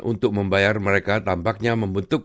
untuk membayar mereka tampaknya membentuk